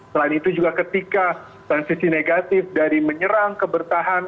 selain itu juga ketika transisi negatif dari menyerang ke bertahan